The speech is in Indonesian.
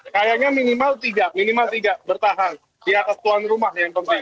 kayaknya minimal tiga minimal tiga bertahan di atas tuan rumah yang penting